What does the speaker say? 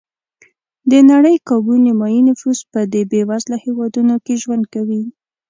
د نړۍ کابو نیمایي نفوس په دې بېوزله هېوادونو کې ژوند کوي.